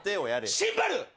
シンバル。